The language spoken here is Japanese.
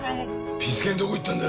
ピス健どこ行ったんだ。